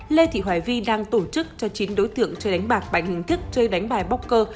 lê thị hoài vi đang tổ chức cho chín đối tượng chơi đánh bạc bằng hình thức chơi đánh bài bóc cơ